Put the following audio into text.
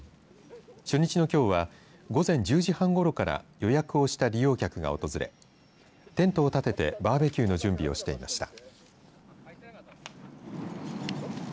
初日のきょうは午前１０時半ごろから予約をした利用客が訪れテントを立ててバーベキューの準備をしていました。